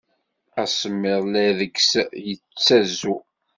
Asemmiḍ la deg-s yettazu.